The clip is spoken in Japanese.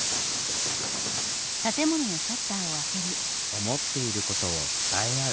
思っていることを伝え合う。